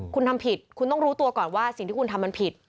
คุณทำผิดคุณต้องรู้ตัวก่อนว่าสิ่งที่คุณทำมันผิด